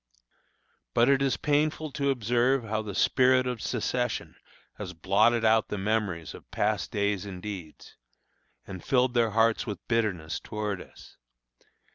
But it is painful to observe how the spirit of secession has blotted out the memories of past days and deeds, and filled their hearts with bitterness toward us.